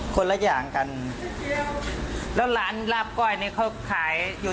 คนละอย่างกันนิดเดียวแล้วหลานราบก้อยเนี้ยเขาขายอยู่